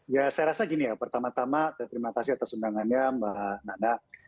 ya saya rasa gini ya pertama tama terima kasih atas undangannya mbak nana